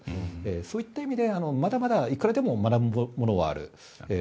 そういった意味で、まだまだいくらでも学ぶものはある。